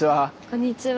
こんにちは。